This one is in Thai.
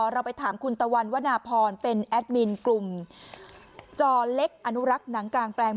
เราไปถามคุณตะวันวนาพรเป็นแอดมินกลุ่มจอเล็กอนุรักษ์หนังกลางแปลง